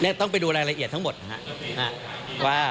เนี่ยต้องไปดูรายละเอียดทั้งหมดนะครับ